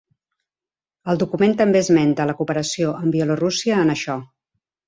El document també esmenta la cooperació amb Bielorússia en això.